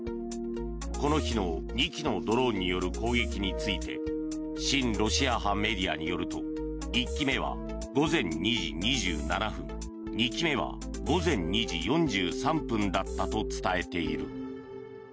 この日の２機のドローンによる攻撃について親ロシア派メディアによると１機目は午前２時２７分２機目は午前２時４３分だったと伝えている。